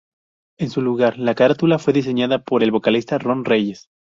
En su lugar, la carátula fue diseñada por el vocalista Ron Reyes.